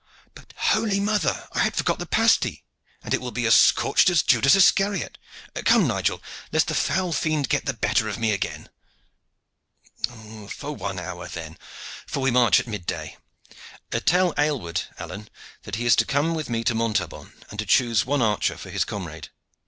But, holy Mother! I had forgot the pasty, and it will be as scorched as Judas Iscariot! Come, Nigel, lest the foul fiend get the better of me again." "For one hour, then; for we march at mid day. Tell Aylward, Alleyne, that he is to come with me to Montaubon, and to choose one archer for his comrade.